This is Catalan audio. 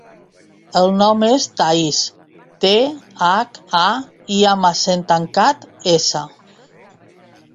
El nom és Thaís: te, hac, a, i amb accent tancat, essa.